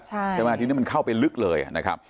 จากนั้นทีนี้มันเข้าไปลึกเลย